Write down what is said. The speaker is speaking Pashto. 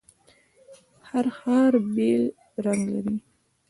هر ښار بیل رنګ لري.